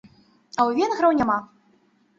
А у венграў няма!